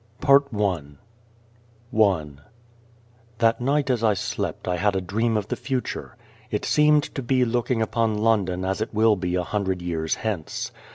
243 PART I I THAT night as I slept I had a dream of the future. I seemed to be looking upon London as it will be a hundred years hence.